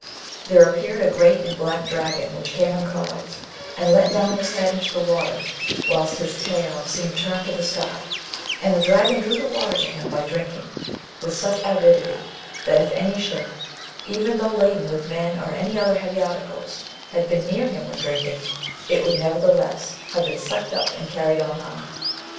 There appeared a great and black dragon which came in clouds, and let down his head into the water, whilst his tail seemed turned to the sky; and the dragon drew the water to him by drinking, with such avidity, that, if any ship, even though laden with men or any other heavy articles, had been near him when drinking, it would nevertheless have been sucked up and carried on high.